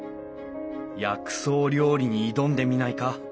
薬草料理に挑んでみないか。